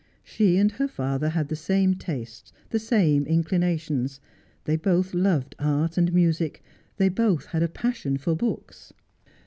She and her father had the same tastes, the same inclinations. They both loved art and music, they both had a passion for books.